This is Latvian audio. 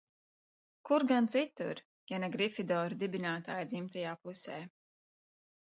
Kur gan citur, ja ne Grifidora dibinātāja dzimtajā pusē?